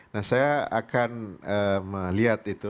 nah saya akan melihat itu